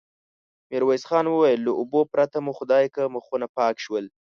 ميرويس خان وويل: له اوبو پرته مو خدايکه مخونه پاک شول.